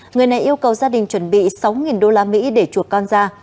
người này yêu cầu gia đình chuẩn bị sáu usd để chuột con ra